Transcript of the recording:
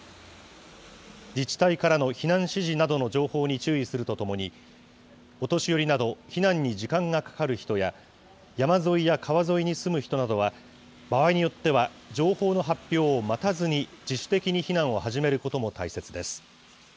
自治体からの避難指示などの情報に注意するとともに、お年寄りなど避難に時間がかかる人や、山沿いや川沿いに住む人などは、場合によっては情報の発表を待たずに、自主的に避難を始めることも大切です。